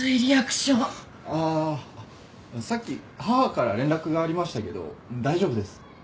さっき母から連絡がありましたけど大丈夫です。